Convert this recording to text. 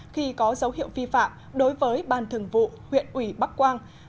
khi có dấu hiệu vi phạm đối với ban thường vụ huyện ủy bắc quang